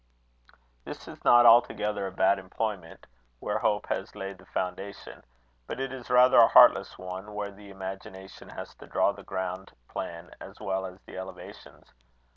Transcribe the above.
This is not altogether a bad employment where hope has laid the foundation; but it is rather a heartless one where the imagination has to draw the ground plan as well as the elevations.